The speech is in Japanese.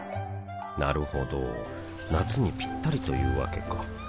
なるほど夏にピッタリというわけか